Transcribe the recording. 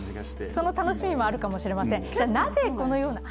その楽しみもあるかもしれません。